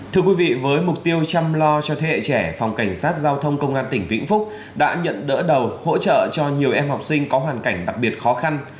thưa quý vị với mục tiêu chăm lo cho thế hệ trẻ phòng cảnh sát giao thông công an tỉnh vĩnh phúc đã nhận đỡ đầu hỗ trợ cho nhiều em học sinh có hoàn cảnh đặc biệt khó khăn